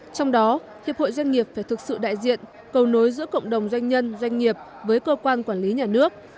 trong đó hiệp hội doanh nghiệp phải thực sự đại diện cầu nối giữa cộng đồng doanh nhân doanh nghiệp với cơ quan quản lý nhà nước